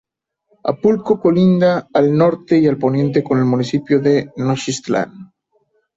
Apulco colinda al norte y al poniente con el municipio de Nochistlán.